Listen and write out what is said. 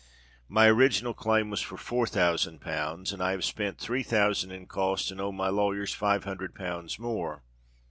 My original claim was for four thousand pounds—and I have spent three thousand in costs, and owe my lawyer five hundred pounds more.